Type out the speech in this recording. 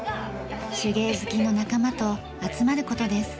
手芸好きの仲間と集まる事です。